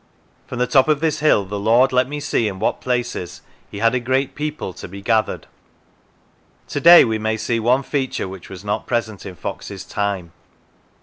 From the top of this hill the Lord let me see in what places He had a great people to be gathered." To day we may see one feature which was not present in Fox's time.